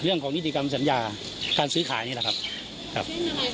เรื่องของนิติกรรมสัญญาการซื้อขายนี่แหละครับ